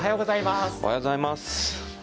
おはようございます。